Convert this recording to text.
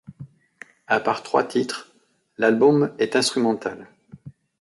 À part trois titres, l'album est instrumental.